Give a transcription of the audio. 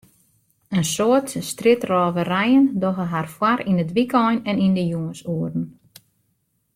In soad strjitrôverijen dogge har foar yn it wykein en yn de jûnsoeren.